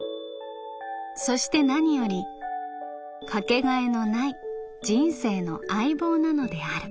そして何よりかけがえのない人生の相棒なのである」。